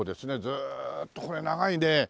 ずーっとこれ長いね。